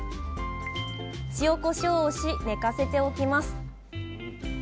塩こしょうをし寝かせておきます。